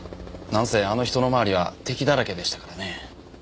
なんせあの人の周りは敵だらけでしたからね。